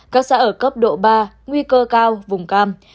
các xã ở cấp độ ba nguy cơ cao vùng cam